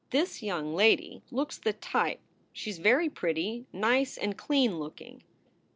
This young lady looks the type. She s very pretty, nice and clean looking."